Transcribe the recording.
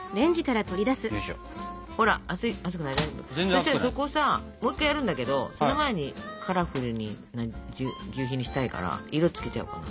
そしたらそこさもう一回やるんだけどその前にカラフルなぎゅうひにしたいから色つけちゃおうかな。